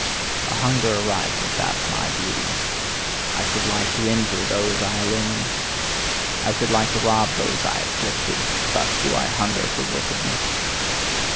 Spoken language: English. A hunger ariseth out of my beauty: I should like to injure those I illumine; I should like to rob those I have gifted: thus do I hunger for wickedness.